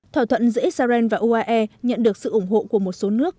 thỏa thuận giữa israel và uae nhận được sự ủng hộ của một số nước